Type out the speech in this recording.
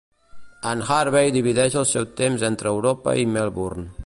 En Harvey divideix el seu temps entre Europa i Melbourne.